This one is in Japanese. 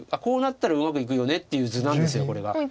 「こうなったらうまくいくよね」っていう図なんですこれが。